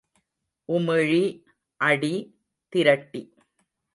உமிழி, அடி, திரட்டி.